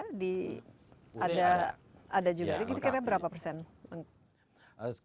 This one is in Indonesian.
jadi berapa persen